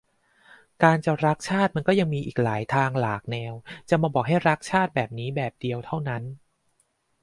การจะรักชาติมันก็ยังมีอีกหลายทางหลากแนว จะมาบอกให้ 'รักชาติ' แบบนี้แบบเดียวเท่านั้น